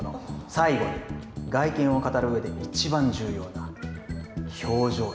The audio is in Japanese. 最後に外見を語る上で一番重要な表情やふるまいです。